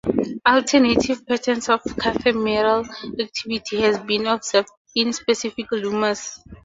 Alternative patterns of cathemeral activity have been observed in specific lemurs.